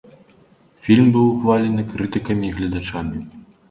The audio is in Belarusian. Фільм быў ухвалены крытыкамі і гледачамі.